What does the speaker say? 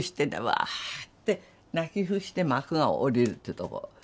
「わ」って泣き伏して幕が下りるっていうとこ。